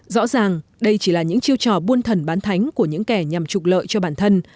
rõ ràng đây chỉ là những chiêu trò buôn thần bán thánh của những kẻ nhằm trục lợi cho bản thân